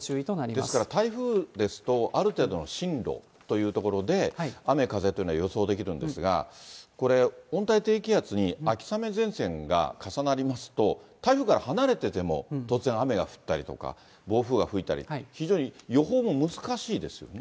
ですから台風ですと、ある程度の進路というところで、雨、風というのは予想できるんですが、これ、温帯低気圧に秋雨前線が重なりますと、台風から離れてても、突然雨が降ったりとか、暴風が吹いたりと、非常に予報も難しいですよね。